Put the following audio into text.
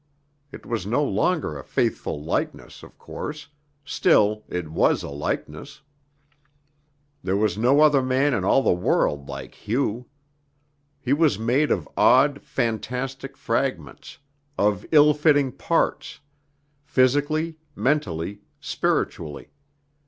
It was no longer a faithful likeness, of course; still, it was a likeness. There was no other man in all the world like Hugh! He was made of odd, fantastic fragments, of ill fitting parts physically, mentally, spiritually.